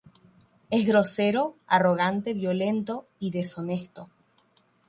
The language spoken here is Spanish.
Es grosero, arrogante, violento y deshonesto.